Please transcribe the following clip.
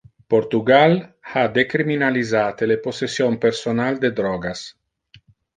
Portugal ha decriminalisate le possession personal de drogas.